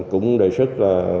cũng đề xuất